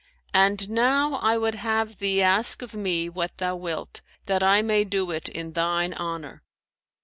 And now I would have thee ask of me what thou wilt, that I may do it in thine honour.'